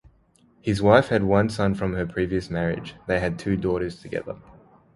His wife had one son from her previous marriage; they had two daughters together.